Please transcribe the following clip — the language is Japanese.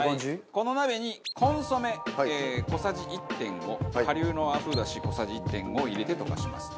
この鍋にコンソメ小さじ１．５顆粒の和風出汁小さじ１．５を入れて溶かしますと。